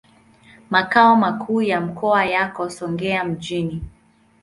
Makao makuu ya mkoa yako Songea mjini.